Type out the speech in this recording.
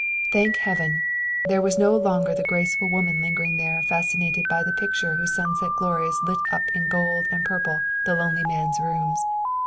Thank Heaven! There was no longer the graceful woman lingering there fascinated by the picture whose sunset glories lit up in gold and purple the lonely man's rooms.